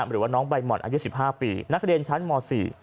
หรือว่าน้องใบหม่อนอายุสิบห้าปีนักเรียนชั้นหมอสี่